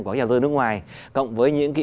của nhà dân nước ngoài cộng với những cái